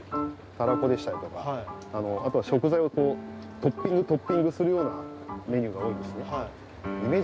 たらこでしたり、やっぱり食材をトッピングするようなメニューが多いんですね。